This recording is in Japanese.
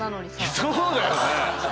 いやそうだよね。